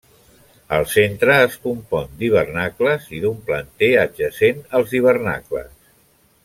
El centre es compon d'hivernacles, i d'un planter adjacent als hivernacles.